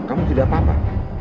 aku tidak tahu